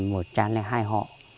một trang là hai hộ